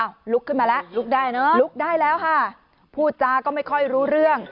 ลุกขึ้นมาแล้วลุกได้เนอะลุกได้แล้วค่ะพูดจาก็ไม่ค่อยรู้เรื่อง